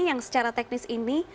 yang secara teknis ini